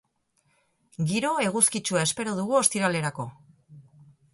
Giro eguzkitsua espero dugu ostiralerako.